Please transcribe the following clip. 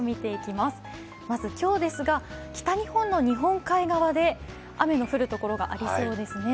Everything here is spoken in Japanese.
まず今日、北日本の日本海側で雨の降るところがありそうです。